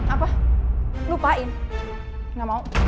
apa lupain gak mau